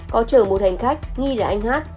có chở một hành khách nghi là anh hát